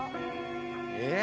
えっ！？